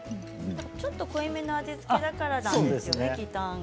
ちょっと濃いめの味付けだからなんですよね。